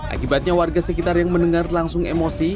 akibatnya warga sekitar yang mendengar langsung emosi